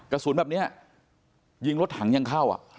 กระสุนแบบนี้ยิงรถถังยังเข้าอ่ะ